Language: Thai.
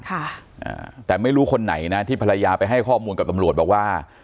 ค่ะอ่าแต่ไม่รู้คนไหนนะที่ภรรยาไปให้ข้อมูลกับตำรวจบอกว่า